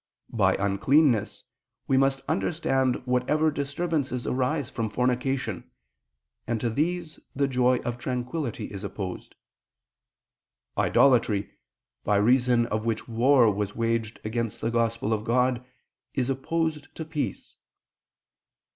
By uncleanness we must understand whatever disturbances arise from fornication: and to these the joy of tranquillity is opposed. Idolatry, by reason of which war was waged against the Gospel of God, is opposed to peace.